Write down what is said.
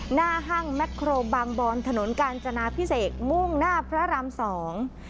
หน้าห้างแมคโครบางบอนถนนกาญจนาพิเศษมุ่งหน้าพระรามสอง